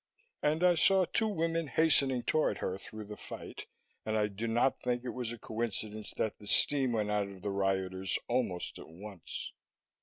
And I saw two women hastening toward her through the fight, and I do not think it was a coincidence that the steam went out of the rioters almost at once.